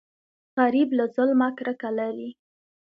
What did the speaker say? غریب له ظلمه کرکه لري